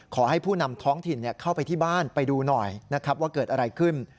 ขอให้ผู้นำท้องถิ่นเข้าไปที่บ้านไปดูหน่อยนะครับว่าเกิดอะไรขึ้น